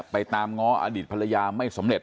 ไปตามง้ออดีตภรรยาไม่สำเร็จ